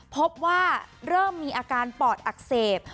พบว่าเริ่มมีอาการปอดอักเสบ